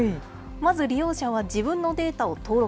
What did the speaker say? まず利用者は自分のデータを登録。